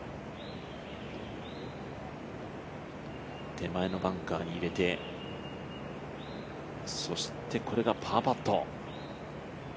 手前のバンカーに入れてそしてこれがパーパット。